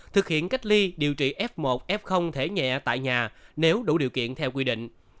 thực hiện cách ly điều trị f một f thể nhẹ tại nhà nếu đủ điều kiện theo quy định